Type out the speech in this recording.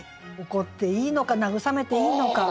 怒っていいのか慰めていいのか。